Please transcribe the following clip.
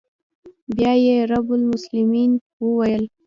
بيا يې رب المسلمين وويل.